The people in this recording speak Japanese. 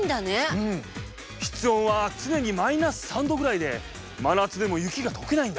うん室温はつねにマイナス３度ぐらいで真夏でも雪がとけないんだ。